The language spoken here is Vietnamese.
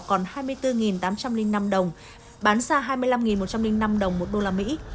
còn hai mươi bốn tám trăm linh năm đồng bán ra hai mươi năm một trăm linh năm đồng một đô la mỹ